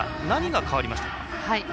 何が変わりましたか？